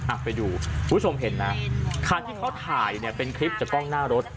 อ่ะไปดูคุณผู้ชมเห็นนะคันที่เขาถ่ายเนี่ยเป็นคลิปจากกล้องหน้ารถ